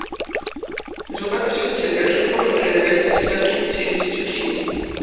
So gab es vierzehn Weltrekorde und eine Weltbestleistung in zehn Disziplinen.